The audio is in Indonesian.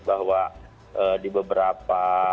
bahwa di beberapa